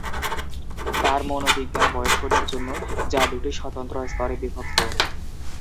তাঁর মনোবিজ্ঞান বয়স্কদের জন্য, যা দুটি স্বতন্ত্র স্তরে বিভক্ত।